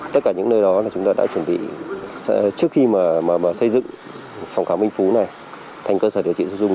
tất cả những nơi đó là chúng ta đã chuẩn bị trước khi mà xây dựng phòng khám minh phú này thành cơ sở điều trị cho dung